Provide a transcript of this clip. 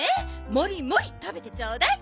もりもりたべてちょうだい。